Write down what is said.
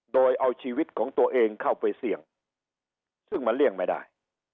โดยเอาชีวิตของตัวเองเข้าไปเสี่ยงซึ่งมันเลี่ยงไม่ได้